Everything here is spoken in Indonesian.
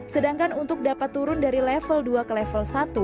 sedangkan untuk dapat turun dari level dua ke level satu